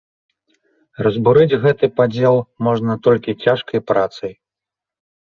Разбурыць гэты падзел можна толькі цяжкай працай.